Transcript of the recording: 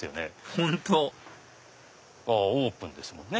本当オープンですもんね。